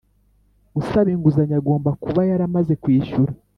Usaba inguzanyo agomba kuba yaramaze kwishyura